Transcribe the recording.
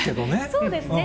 そうですね。